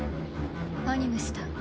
アニムスだ。